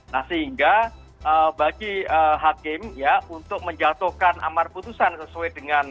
nah sehingga bagi hakim ya untuk menjatuhkan amar putusan sesuai dengan